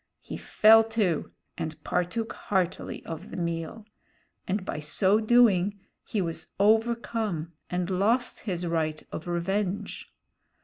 He fell to and partook heartily of the meal; and by so doing he was overcome and lost his right of revenge.